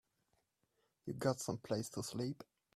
You got someplace to sleep?